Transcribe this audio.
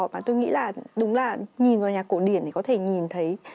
và tôi nghĩ là đúng là nhìn vào nhà cổ điển thì có thể nhìn thấy